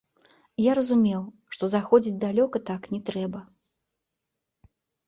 Я зразумеў, што заходзіць далёка, так не трэба.